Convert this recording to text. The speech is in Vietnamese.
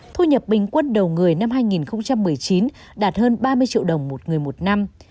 thu nhập bình quân đầu người năm hai nghìn một mươi chín đạt hơn ba mươi triệu đồng một người một năm